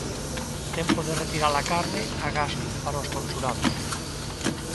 Tempo de retirar a carne agás para os tonsurados.